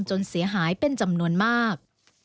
ฉันวางจนเสียหายเป็นจำนวนมาก